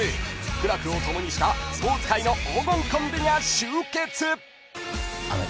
［苦楽を共にしたスポーツ界の黄金コンビが集結］